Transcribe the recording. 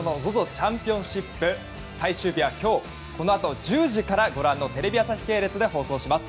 チャンピオンシップ最終日は今日このあと１０時からご覧のテレビ朝日系列で放送します。